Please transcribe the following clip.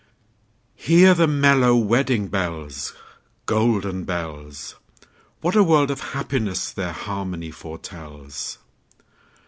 Hear the mellow wedding bells, Golden bells! What a world of happiness their harmony foretells!